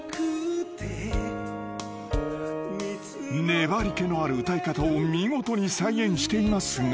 ［粘り気のある歌い方を見事に再現していますが］